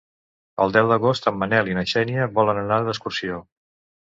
El deu d'agost en Manel i na Xènia volen anar d'excursió.